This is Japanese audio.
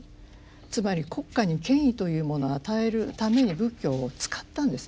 つまり国家に権威というものを与えるために仏教を使ったんですね。